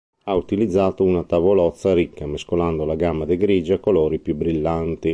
Ha utilizzato una tavolozza ricca, mescolando la gamma dei grigi a colori più brillanti.